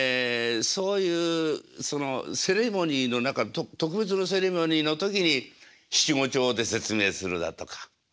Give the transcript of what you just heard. そういうそのセレモニーの中の特別なセレモニーの時に七五調で説明するだとか。